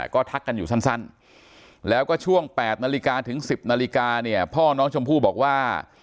ก็ทักกันอยู่สั้นแล้วก็ช่วง๘นาฬิกาถึง๑๐นาฬิกาเนี่ยพ่อน้องชมพู่บอกว่า